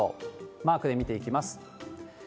マークで見ていきます。